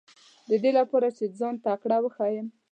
دې لپاره چې ځان تکړه وښیم.